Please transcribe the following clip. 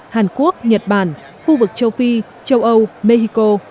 hàn quốc nhật bản khu vực châu phi châu âu mexico